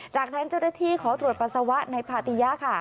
จากนั้นเจ้าหน้าที่ขอตรวจปัสสาวะในพาติยะค่ะ